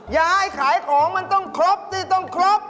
ยายขายของมันต้องครบสิต้องครบ